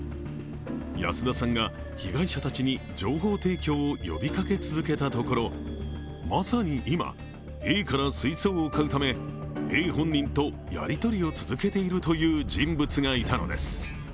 安田さんが被害者たちに情報提供を呼びかけ続けたところ、まさに今、Ａから水槽を買うためＡ本人とやり取りを続けているという人物がいたのです。